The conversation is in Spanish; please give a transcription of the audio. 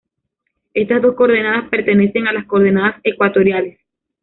Estas dos coordenadas pertenecen a las coordenadas ecuatoriales.